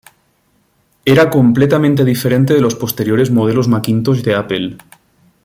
Era completamente diferente de los posteriores modelos Macintosh de Apple.